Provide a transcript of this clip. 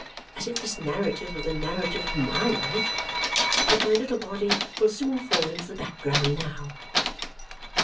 As if this narrative were the narrative of MY life! But my little body will soon fall into the background now.